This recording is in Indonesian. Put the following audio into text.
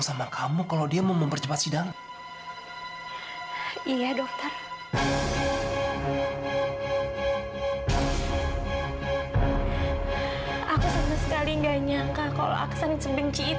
sampai jumpa di video selanjutnya